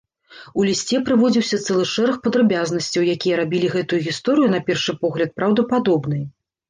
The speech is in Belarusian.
У лісце прыводзіўся цэлы шэраг падрабязнасцяў, якія рабілі гэтую гісторыю, на першы погляд, праўдападобнай.